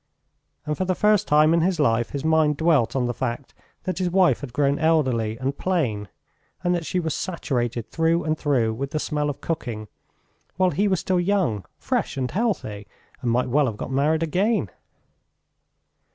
And for the first time in his life his mind dwelt on the fact that his wife had grown elderly and plain, and that she was saturated through and through with the smell of cooking, while he was still young, fresh, and healthy, and might well have got married again.